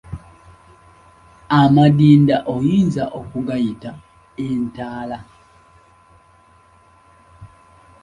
Amadinda oyinza okugayita entaala.